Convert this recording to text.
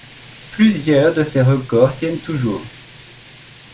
Plusieurs de ses records tiennent toujours.